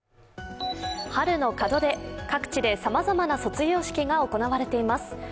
春の門出、各地でさまざまな卒業式が行われています。